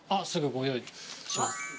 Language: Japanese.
すぐご用意します。